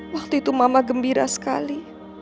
waktu itu mama gembira sekali